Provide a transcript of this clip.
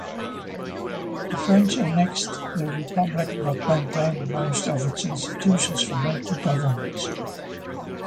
The French annexed the Republic but maintained most of its institutions for local governance.